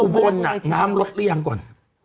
อุบลน่ะน้ำลดหรือยังก่อน